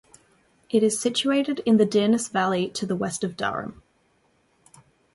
It is situated in the Deerness Valley to the west of Durham.